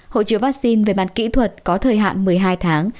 hộ chiếu vaccine về mặt kỹ thuật có thời hạn một mươi hai tháng